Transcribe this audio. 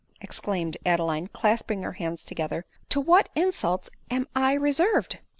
exclaimed Adeline clasping her hands together, " to what insults am I reserved